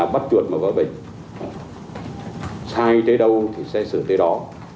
bắt chuột mà có bệnh sai tới đâu thì xét xử tới đó